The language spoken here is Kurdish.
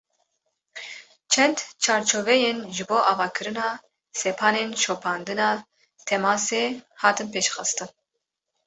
Çend çarçoveyên ji bo avakirina sepanên şopandina temasê hatin pêşxistin.